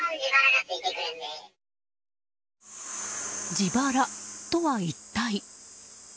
自腹とは一体？